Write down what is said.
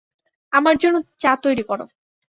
আমার জন্য চা তৈরি করো।